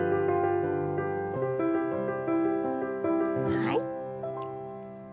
はい。